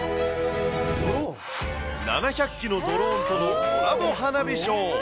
７００機のドローンとのコラボ花火ショー。